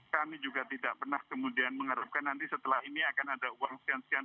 kami juga tidak pernah kemudian mengharapkan nanti setelah ini akan ada uang sian sian